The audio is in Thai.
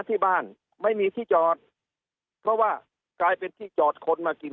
ที่บ้านไม่มีที่จอดเพราะว่ากลายเป็นที่จอดคนมากิน